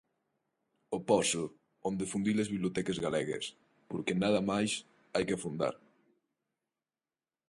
O pozo onde fundir as bibliotecas galegas, porque en nada máis hai que afondar.